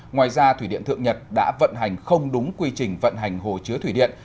ngoài ra thủy điện thượng nhật đã vận hành không đúng quy trình vận hành hồ chứa thủy điện